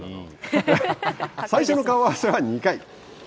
最初の顔合わせは２回。